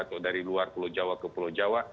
atau dari luar pulau jawa ke pulau jawa